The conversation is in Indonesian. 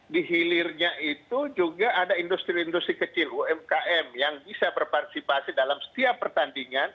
di hilirnya itu juga ada industri industri kecil umkm yang bisa berpartisipasi dalam setiap pertandingan